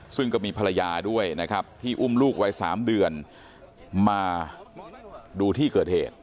ซึ่งก็มีภรรยาด้วยนะครับที่อุ้มลูกวัย๓เดือนมาดูที่เกิดเหตุ